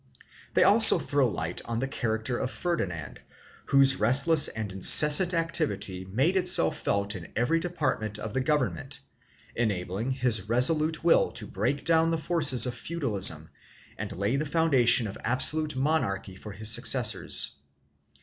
They also throw light on the character of Ferdinand, whose restless and incessant activity made itself felt in every department of the government, enabling his resolute will to break down the forces of feudalism and lay the foundation of absolute monarchy for his successors.